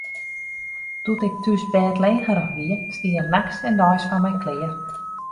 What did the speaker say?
Doe't ik thús bêdlegerich wie, stie er nachts en deis foar my klear.